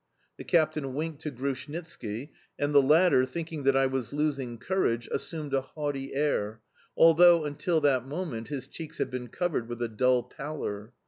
The captain winked to Grushnitski, and the latter, thinking that I was losing courage, assumed a haughty air, although, until that moment, his cheeks had been covered with a dull pallor.